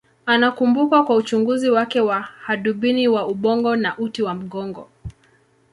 Anakumbukwa kwa uchunguzi wake wa hadubini wa ubongo na uti wa mgongo.